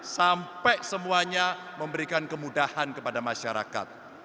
sampai semuanya memberikan kemudahan kepada masyarakat